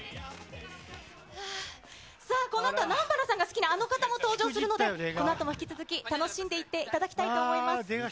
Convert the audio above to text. さあ、このあとは南原さんが好きなあの方も登場するので、このあとも引き続き楽しんでいっていただきたいと思います。